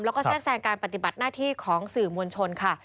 แล้วก็แทรกแทรงการปฏิบัติหน้าที่ของสื่อมวลชนค่ะ